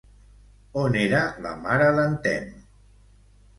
On era la mare d'en Temme?